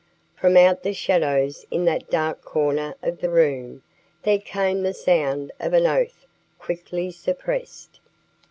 From out the shadows in that dark corner of the room there came the sound of an oath quickly suppressed.